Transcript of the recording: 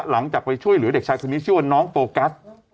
หลังจากไปช่วยเหลือเด็กชายคนนี้ชื่อว่าน้องโฟกัส